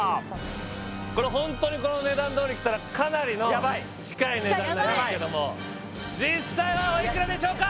これホントにこの値段どおりきたらかなりの近い値段になりますけどヤバいヤバい実際はおいくらでしょうか？